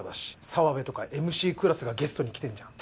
澤部とかＭＣクラスがゲストに来てんじゃん。